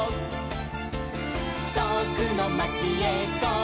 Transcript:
「とおくのまちへゴー！